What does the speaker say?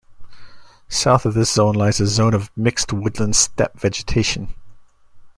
South of this zone lies a zone of mixed woodland-steppe vegetation.